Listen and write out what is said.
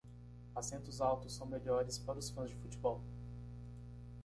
Assentos altos são melhores para os fãs de futebol.